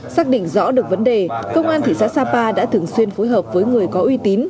xác định rõ được vấn đề công an thị xã sapa đã thường xuyên phối hợp với người có uy tín